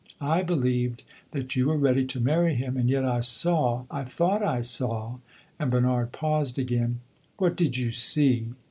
I believed that you were ready to marry him, and yet I saw I thought I saw " and Bernard paused again. "What did you see?"